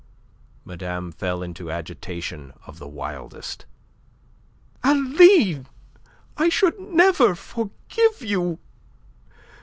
Madame fell into agitation of the wildest. "Aline, I should never forgive you!